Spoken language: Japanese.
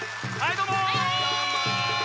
どうも！